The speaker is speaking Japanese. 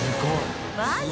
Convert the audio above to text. マジ？